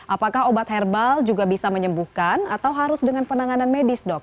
apakah obat herbal juga bisa menyembuhkan atau harus dengan penanganan medis dok